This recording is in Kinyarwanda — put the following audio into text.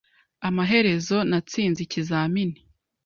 Amaherezo, natsinze ikizamini.